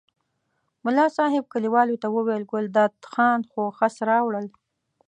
ملا صاحب کلیوالو ته وویل ګلداد خان خو خس راوړل.